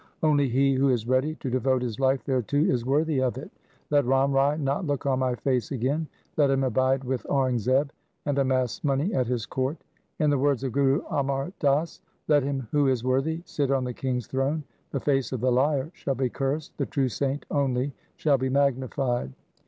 Only he who is ready to devote his life thereto is worthy of it. Let Ram Rai not look on my face again. Let him abide with Aurangzeb, and amass money at his court. In the words of Guru Amar Das :— Let him who is worthy sit on the king's throne. 1 The face of the liar shall be cursed ; the true saint only shall be magnified.'